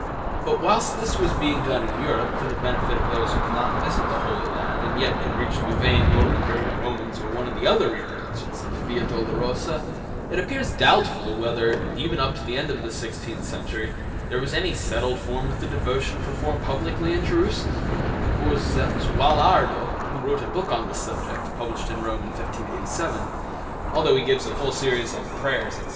But whilst this was being done in Europe for the benefit of those who could not visit the Holy Land and yet could reach Louvain, Nuremburg, Romans, or one of the other reproductions of the Via Dolorosa, it appears doubtful whether, even up to the end of the sixteenth century, there was any settled form of the devotion performed publicly in Jerusalem, for Zuallardo, who wrote a book on the subject, published in Rome in 1587, although he gives a full series of prayers, etc.